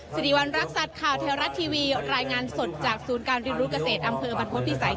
สิริวัณรักษัตริย์ข่าวเทวรัฐทีวีรายงานสดจากศูนย์การเรียนรู้เกษตรอำเภอบรรพฤษภิษัย